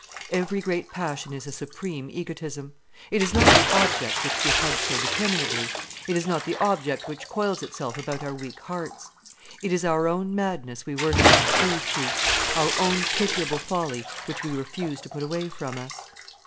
Every great passion is a supreme egotism. It is not the object which we hug so determinedly; it is not the object which coils itself about our weak hearts: it is our own madness we worship and cleave to, our own pitiable folly which we refuse to put away from us.